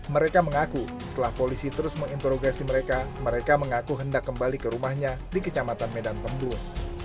mereka mengaku setelah polisi terus menginterogasi mereka mereka mengaku hendak kembali ke rumahnya di kecamatan medan tembus